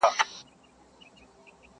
شپه تپېږم تر سهاره لکه مار پر زړه وهلی؛